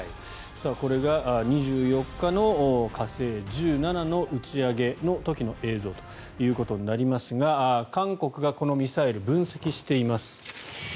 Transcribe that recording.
これが２４日の火星１７の打ち上げの時の映像となりますが韓国がこのミサイルを分析しています。